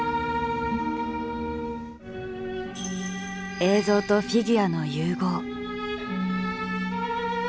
映像とフィギュアの融合。